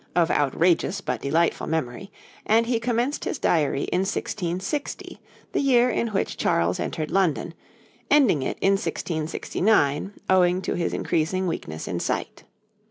of outrageous but delightful memory, and he commenced his Diary in 1660, the year in which Charles entered London, ending it in 1669, owing to his increasing weakness of sight.